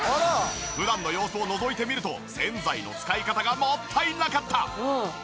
普段の様子をのぞいてみると洗剤の使い方がもったいなかった！